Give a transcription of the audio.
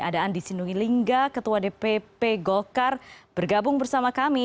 ada andi sinuhi lingga ketua dpp golkar bergabung bersama kami